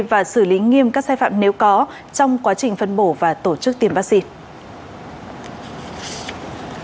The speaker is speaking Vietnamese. và xử lý nghiêm các sai phạm nếu có trong quá trình phân bổ và tổ chức tiêm vaccine